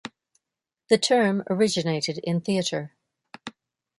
The term originated in theater.